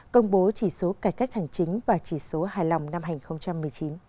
công bố chỉ số cải cách hành chính và chỉ số hài lòng năm hai nghìn một mươi chín